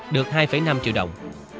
được hai năm triệu đồng